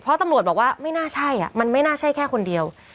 เพราะตำรวจบอกว่าไม่น่าใช่มันไม่น่าใช่แค่คนเดียว